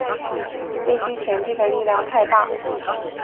飞机前进的力量太大